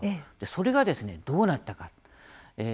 それがどうなったか。